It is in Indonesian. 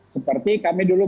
seperti kami dulu